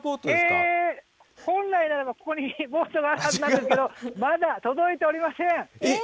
本来ならば、ここにボートがあるはずなんですけど、まだ届いておりません。